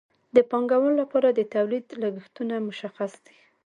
د پانګوال لپاره د تولید لګښتونه مشخص دي